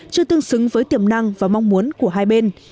chưa tương xứng với tiềm năng và mong muốn của hai bên